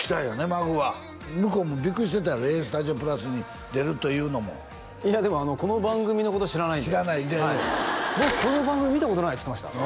マグは向こうもビックリしてたやろ「ＡＳＴＵＤＩＯ＋」に出るというのもでもこの番組のこと知らないんで知らない「僕この番組見たことない」って言ってました